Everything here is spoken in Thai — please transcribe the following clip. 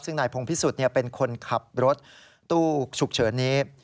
ซึ่งนายพงพิสุทธิ์เป็นคนขับรถตู้ฉุกเฉินนี้